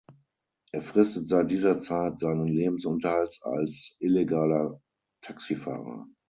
Er fristet seit dieser Zeit seinen Lebensunterhalt als illegaler Taxifahrer.